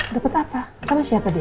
dapat apa sama siapa dia